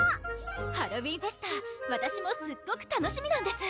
ハロウィーンフェスタわたしもすっごく楽しみなんです